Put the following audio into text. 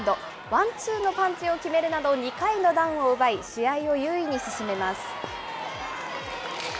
ワンツーのパンチを決めるなど、２回のダウンを奪い、試合を優位に進めます。